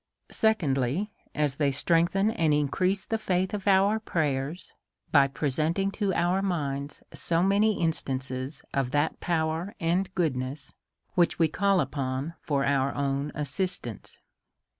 Secondly/, As they strengthen and increase the faith of our prayers, by presenting to our mind so many in stances of that power and goodness,, which we call upon for our own assistance.